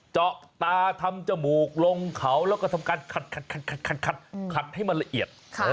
เจาะตาทำจมูกลงเขาแล้วก็ทำการขัดให้มันละเอียด